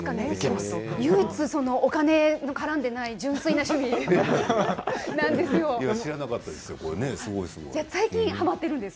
唯一お金がからんでいない純粋な趣味です。